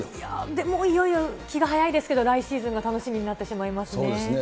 でも、いよいよ気が早いですけれども来シーズンが楽しみになってしまいそうですね。